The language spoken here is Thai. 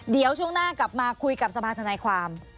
เดี๋ยวช่วงหน้ากลับมาคุยกับสภาธนายความ